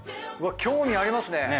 うわっ興味ありますね。